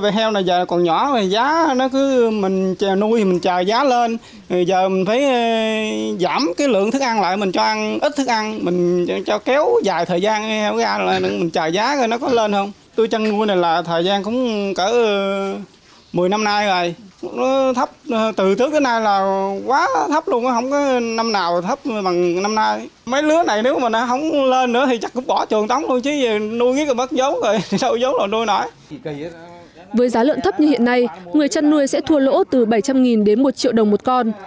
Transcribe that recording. với giá lợn thấp như hiện nay người chăn nuôi sẽ thua lỗ từ bảy trăm linh đến một triệu đồng một con